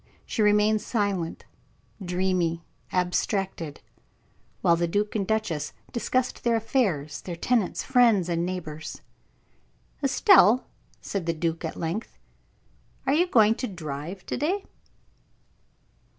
She remained silent, dreamy, abstracted, while the duke and duchess discussed their affairs, their tenants, friends, and neighbors. "Estelle," said the duke, at length, "are you going to drive to day?"